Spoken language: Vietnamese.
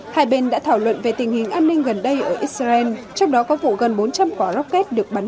hai bên đã thảo luận về tình hình an ninh gần đây ở israel trong đó có vụ gần bốn trăm linh quả rocket được bắn